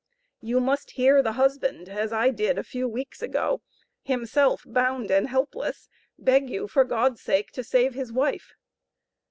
You must hear the husband, as I did, a few weeks ago, himself bound and helpless, beg you for God's sake to save his wife.